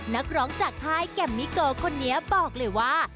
นักร้องจากค่ายแกมมิโกคนนี้บอกเลยว่า